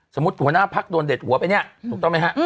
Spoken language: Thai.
สมมุติหัวหน้าพักโดนเด็ดหัวไปเนี่ยถูกต้องไหมฮะ